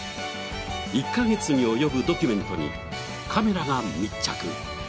１カ月に及ぶドキュメントにカメラが密着。